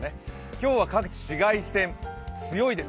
今日は紫外線、強いです。